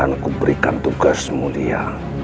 dan kuberikan tugas mulia